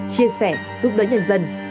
chia sẻ giúp đỡ nhân dân